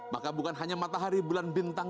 maka bukan hanya matahari bulan bintang